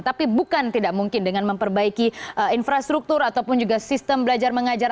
tapi bukan tidak mungkin dengan memperbaiki infrastruktur ataupun juga sistem belajar mengajar